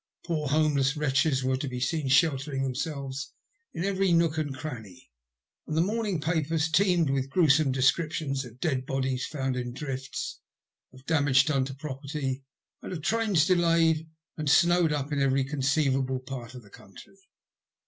Poor homeless wretches were to be seen sheltering themselves in every nook and cranny, and the morning papers teemed with gruesome descriptions of dead bodies found in drifts, of damage done to property, and of trains delayed and Bnowed up in every conceivable part of the country.